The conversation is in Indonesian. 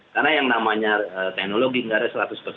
karena yang namanya teknologi nggak